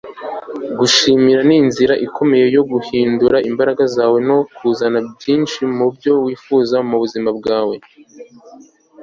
gushimira ni inzira ikomeye yo guhindura imbaraga zawe no kuzana byinshi mubyo wifuza mubuzima bwawe